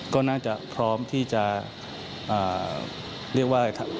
ก็น่าจะพร้อมที่จะเรียกว่า